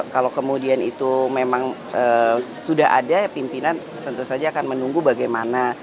kalau kemudian itu memang sudah ada pimpinan tentu saja akan menunggu bagaimana